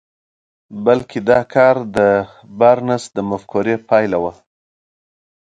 بلکې دا کار د بارنس د مفکورې پايله وه.